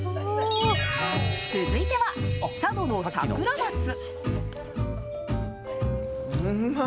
続いては、佐渡のサクラマス。